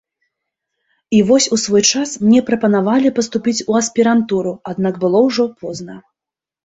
І вось, у свой час мне прапанавалі паступіць у аспірантуру, аднак было ўжо позна.